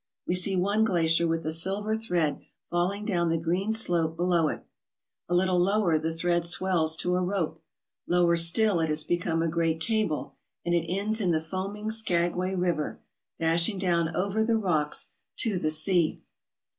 We see one glacier with a silver thread falling down the green slope below it. A little lower the thread swells to a rope. Lower still it has become a great cable, and it ends in the foaming Skag way River, dashing down over the rocks to the sea.